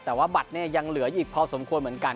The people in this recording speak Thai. แต่ว่าบัตรเนี่ยยังเหลืออีกพอสมควรเหมือนกัน